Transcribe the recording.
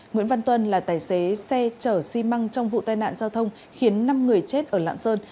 nguyễn văn tuân là tài xế xe chở xi măng trong vụ tai nạn giao thông khiến năm người chết ở lạng sơn